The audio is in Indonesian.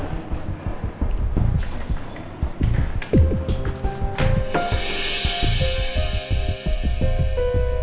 terima kasih banyak pak